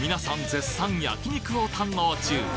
絶賛焼き肉を堪能中。